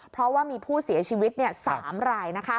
เพราะว่ามีผู้เสียชีวิต๓ราย